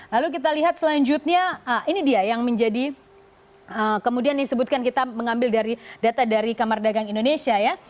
lalu kita lihat selanjutnya ini dia yang menjadi kemudian disebutkan kita mengambil dari data dari kamar dagang indonesia ya